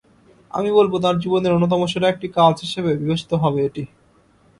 আমি বলব, তাঁর জীবনের অন্যতম সেরা একটি কাজ হিসেবে বিবেচিত হবে এটি।